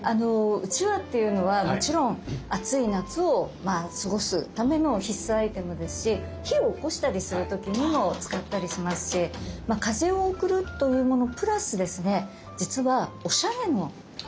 うちわっていうのはもちろん暑い夏を過ごすための必須アイテムですし火をおこしたりする時にも使ったりしますし風を送るというものプラスですね